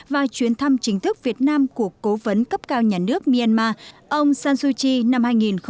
và chuyến thăm chính thức việt nam của cố vấn cấp cao nhà nước myanmar ông sanzuchi năm hai nghìn một mươi tám